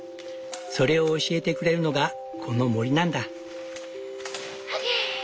それを教えてくれるのがこの森なんだ。